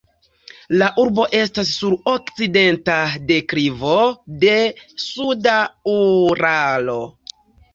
La urbo estas sur okcidenta deklivo de suda Uralo.